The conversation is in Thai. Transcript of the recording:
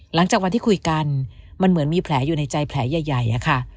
หลังจากวันที่คุยกันมันเหมือนมีแผลอยู่ในใจแผลใหญ่อะค่ะ